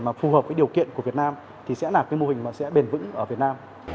mà phù hợp với điều kiện của việt nam thì sẽ là mô hình bền vững ở việt nam